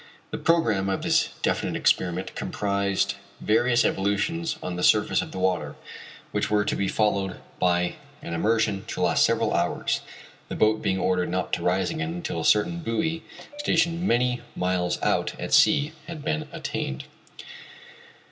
The programme of this definite experiment comprised various evolutions on the surface of the water, which were to be followed by an immersion to last several hours, the boat being ordered not to rise again until a certain buoy stationed many miles out at sea had been attained.